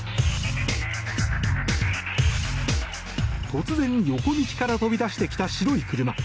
突然、横道から飛び出してきた白い車。